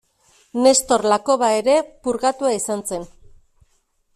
Nestor Lakoba ere purgatua izan zen.